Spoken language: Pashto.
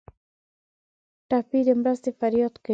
ټپي د مرستې فریاد کوي.